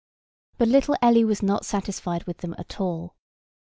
But little Ellie was not satisfied with them at all.